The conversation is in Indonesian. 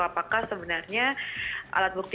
apakah sebenarnya alat bukti